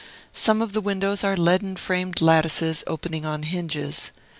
Some of the windows are leaden framed lattices, opening on hinges.